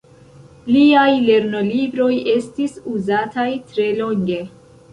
Liaj lernolibroj estis uzataj tre longe.